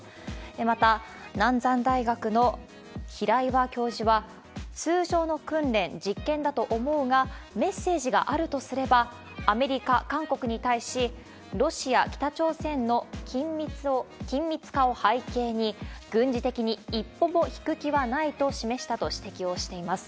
また、南山大学の平岩教授は、通常の訓練、実験だと思うが、メッセージがあるとすれば、アメリカ、韓国に対し、ロシア、北朝鮮の緊密化を背景に、軍事的に一歩も引く気はないと示したと指摘をしています。